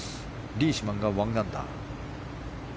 リーシュマンが１アンダー。